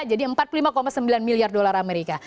jadi empat puluh lima sembilan miliar dolar amerika